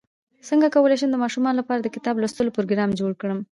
څنګه کولی شم د ماشومانو لپاره د کتاب لوستلو پروګرام جوړ کړم